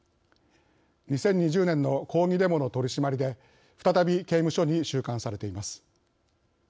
２０２０年の抗議デモの取締りで再び刑務所に収監されています。